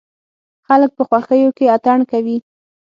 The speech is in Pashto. خلک په خوښيو کې اتڼ کوي.